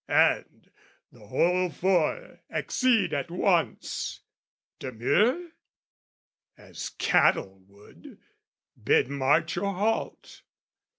And the whole four accede at once. Demur? As cattle would, bid march or halt!